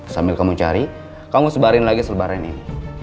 sambil kamu cari kamu sebarin lagi selebaran ini